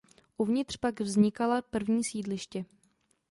Uvnitř pak vznikala první sídliště.